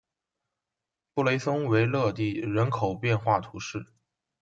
布雷松维勒人口变化图示